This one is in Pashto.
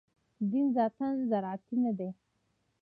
دین ذاتاً زراعتي نه دی.